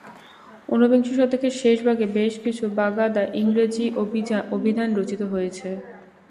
ঊনবিংশ শতকের শেষ ভাগে বেশ কিছু বাদাগা-ইংরেজি অভিধান রচিত হয়েছে।